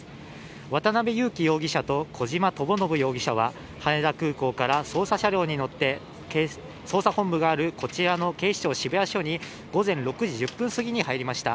渡辺優樹容疑者と小島智信容疑者は羽田空港から捜査車両に乗って捜査本部がある、こちらの警視庁渋谷署に午前６時１０分すぎに入りました。